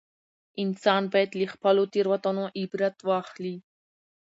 انسان باید له خپلو تېروتنو عبرت واخلي